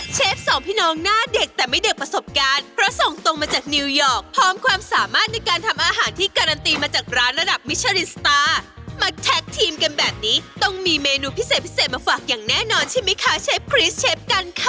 สองพี่น้องหน้าเด็กแต่ไม่เด็กประสบการณ์เพราะส่งตรงมาจากนิวยอร์กพร้อมความสามารถในการทำอาหารที่การันตีมาจากร้านระดับมิชลินสตาร์มาแท็กทีมกันแบบนี้ต้องมีเมนูพิเศษพิเศษมาฝากอย่างแน่นอนใช่ไหมคะเชฟคริสเชฟกันค่ะ